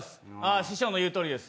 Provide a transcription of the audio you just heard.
師匠の言うとおりです。